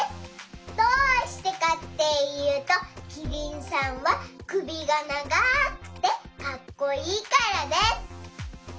どうしてかっていうとキリンさんはくびがながくてかっこいいからです。